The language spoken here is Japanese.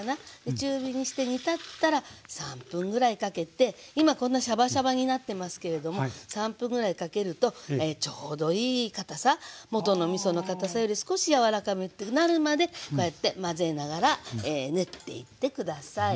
中火にして煮立ったら３分ぐらいかけて今こんなシャバシャバになってますけれども３分ぐらいかけるとちょうどいい堅さ元のみその堅さより少しやわらかくなるまでこうやって混ぜながら練っていって下さい。